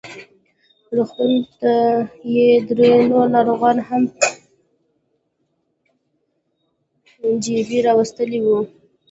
روغتون ته یې درې نور ناروغان هم له جبهې راوستلي وو.